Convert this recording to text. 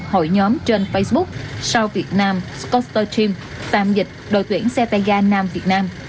hội nhóm trên facebook south vietnam scooter team tạm dịch đội tuyển xe tay ga nam việt nam